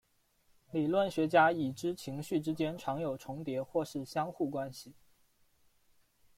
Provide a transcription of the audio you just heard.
理论学家已知情绪之间常有重叠或是相互关系。